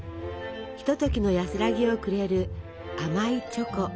ひとときの安らぎをくれる甘いチョコ。